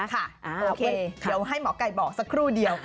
โอเคเดี๋ยวให้หมอไก่บอกสักครู่เดียว